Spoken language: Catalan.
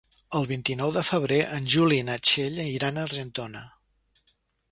El vint-i-nou de febrer en Juli i na Txell iran a Argentona.